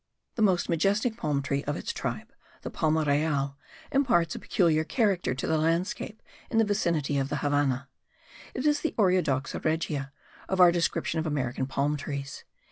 The most majestic palm tree of its tribe, the palma real, imparts a peculiar character to the landscape in the vicinity of the Havannah; it is the Oreodoxa regia of our description of American palm trees.